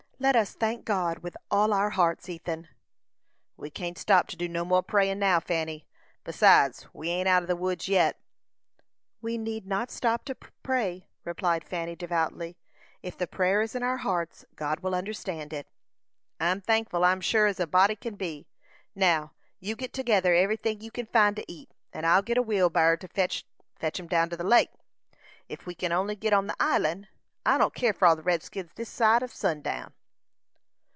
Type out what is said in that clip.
"Let us thank God with all our hearts, Ethan." "We can't stop to do no more prayin' now, Fanny. Besides, we ain't out o' the woods yet." "We need not stop to pray," replied Fanny, devoutly. "If the prayer is in our hearts, God will understand it." "I'm thankful, I'm sure, as a body kin be. Now, you git together everything you kin find to eat, and I'll git a wheelbarrer to fetch 'em down to the lake. Ef we kin only git on the island, I don't keer for all the redskins this side o' sundown."